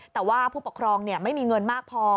แต่ว่าผู้ปกครองไม่มีเงินมากพอ